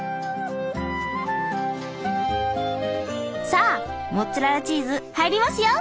さあモッツァレラチーズ入りますよ。